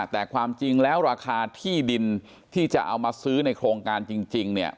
แต่ความจริงแล้วราคาที่ดินที่จะเอามาซื้อในโครงการจริงเนี่ย